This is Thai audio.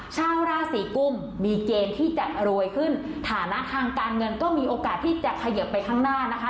ชาวราศีกุมมีเกณฑ์ที่จะรวยขึ้นฐานะทางการเงินก็มีโอกาสที่จะเขยิบไปข้างหน้านะคะ